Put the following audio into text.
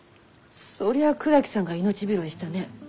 そりゃあ倉木さんが命拾いしたね。